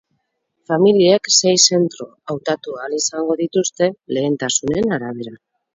Familiek sei zentro hautatu ahal izango dituzte, lehentasunen arabera.